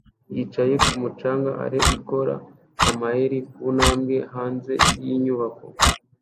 Yicaye kumu canga ers ikora amayeri ku ntambwe hanze yinyubako